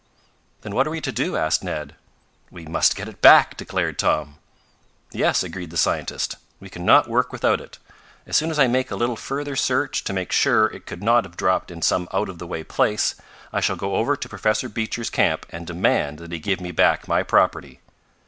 "Then what are we to do?" asked Ned. "We must get it back!" declared Tom. "Yes," agreed the scientist, "we can not work without it. As soon as I make a little further search, to make sure it could not have dropped in some out of the way place, I shall go over to Professor Beecher's camp and demand that he give me back my property."